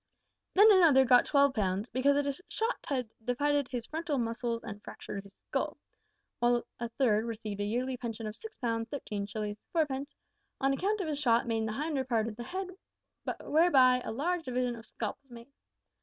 "Then another got 12 pounds `because a shot had divided his frontal muscles and fractured his skull;' while a third received a yearly pension of 6 pounds, 13 shillings, 4 pence `on account of a shot in the hinder part of the head, whereby a large division of scalp was made.'